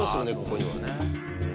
ここには。